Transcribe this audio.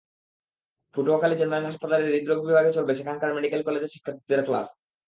Patuakhali general হাসপাতালের হৃদরোগ বিভাগে চলবে সেখানকার মেডিকেল কলেজের শিক্ষার্থীদের ক্লাস।